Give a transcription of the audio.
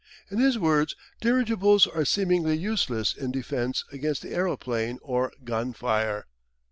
In his words, "Dirigibles are seemingly useless in defence against the aeroplane or gun fire."